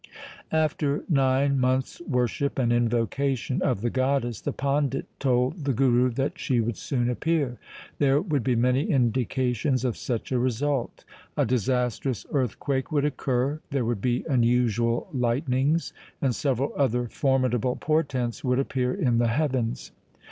After nine months' worship and invocation of the goddess the pandit told the Guru that she would soon appear. There would be many indications of such a result. A disastrous earthquake would occur, there would be unusual lightnings, and several other formidable portents would appear in the heavens.